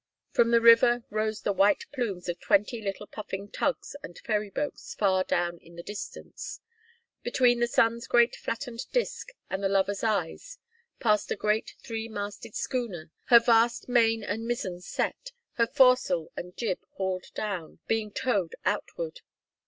From the river rose the white plumes of twenty little puffing tugs and ferry boats far down in the distance. Between the sun's great flattened disk and the lovers' eyes passed a great three masted schooner, her vast main and mizzen set, her foresail and jib hauled down, being towed outward.